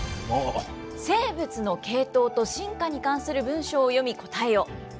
生物の系統と進化に関する文章を読み、答えよ。